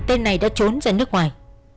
tên này đã trốn ra nước ngoài